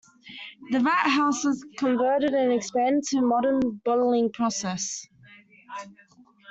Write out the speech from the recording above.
The Vat House was converted and expanded into the modern bottling process.